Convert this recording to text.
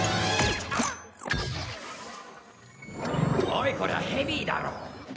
おい、こりゃヘビーだろ。